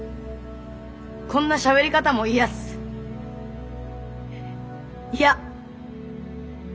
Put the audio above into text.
こんなしゃべり方も嫌っす嫌。